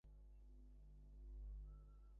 সেইজন্যেই যাবার এত তাড়া।